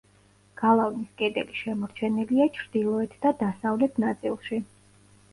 გალავნის კედელი შემორჩენილია ჩრდილოეთ და დასავლეთ ნაწილში.